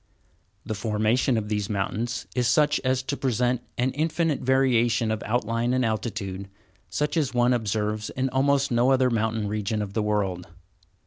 The formation of these mountains is such as to present an infinite variation of outline and altitude, such as one observes in almost no other mountain region of the world.